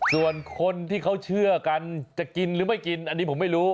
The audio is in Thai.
ส่วนคนที่เขาเชื่อกันจะกินหรือไม่กินอันนี้ผมไม่รู้